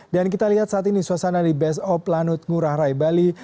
dan kita lihat saat ini suasana di base of lanut ngurah rai bali